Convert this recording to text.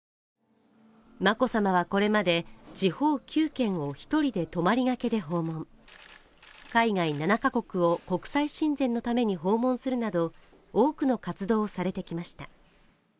眞子さまはこれまで地方９県を一人で泊まりがけで訪問海外７か国を国際親善のために訪問するなど多くの活動されてきました